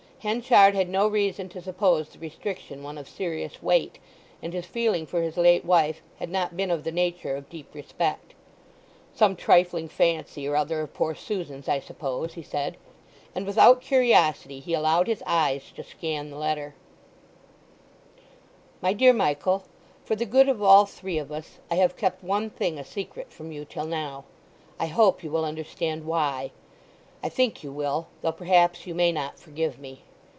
Henchard had no reason to suppose the restriction one of serious weight, and his feeling for his late wife had not been of the nature of deep respect. "Some trifling fancy or other of poor Susan's, I suppose," he said; and without curiosity he allowed his eyes to scan the letter:— MY DEAR MICHAEL,—For the good of all three of us I have kept one thing a secret from you till now. I hope you will understand why; I think you will; though perhaps you may not forgive me.